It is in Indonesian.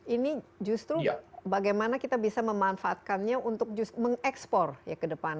ini justru bagaimana kita bisa memanfaatkannya untuk mengekspor ya ke depan